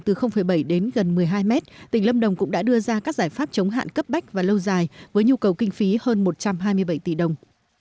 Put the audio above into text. từ bảy đến gần một mươi hai mét tỉnh lâm đồng cũng đã đưa ra các giải pháp chống hạn cấp bách và lâu dài với nhu cầu kinh phí hơn một trăm hai mươi bảy tỷ đồng